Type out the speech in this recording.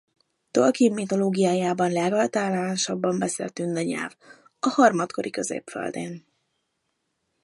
Tolkien mitológiájában a legáltalánosabban beszélt tünde nyelv a Harmadkori Középföldén.